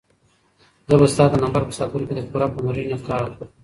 زه به ستا د نمبر په ساتلو کې د پوره پاملرنې نه کار اخلم.